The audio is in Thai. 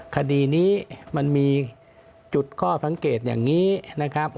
คดีนี้มันมีจุดข้อสังเกตอย่างนี้นะครับ